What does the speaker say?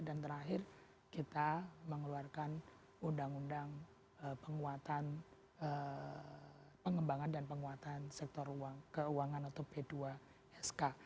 dan terakhir kita mengeluarkan undang undang pengembangan dan penguatan sektor keuangan atau b dua sk